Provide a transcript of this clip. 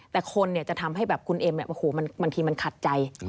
แต่คนจะทำให้แบบคุณเอ็มบางทีมันขัดใจ